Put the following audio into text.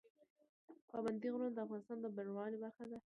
پابندی غرونه د افغانستان د بڼوالۍ برخه ده.